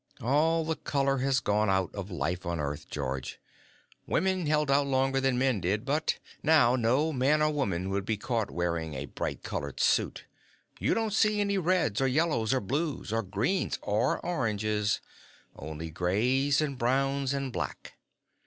"All the color has gone out of life on Earth, George. Women held out longer than men did, but now no man or woman would be caught wearing a bright colored suit. You don't see any reds or yellows or blues or greens or oranges only grays and browns and black.